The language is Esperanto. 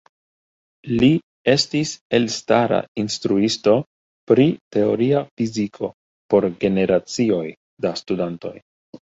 Li estis elstara instruisto pri teoria fiziko por generacioj da studantoj.